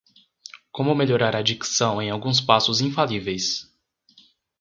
Como melhorar a dicção em alguns passos infalíveis